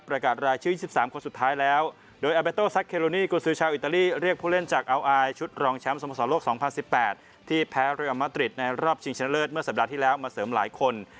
ประกาศรายชื่อสิบสามคนสุดท้ายแล้วโดยอิตาลีเรียกผู้เล่นจากเอาอายชุดรองแชมป์สมศาลโลกสองพันสิบแปดที่แพ้เรียมมาตริตในรอบชิงชะเลิศเมื่อสัปดาห์ที่แล้วมาเสริมหลายคน